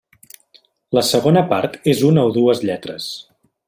La segona part és una o dues lletres.